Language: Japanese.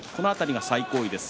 自己最高位です。